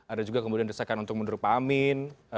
ada juga kemudian desakan untuk mundur pak amin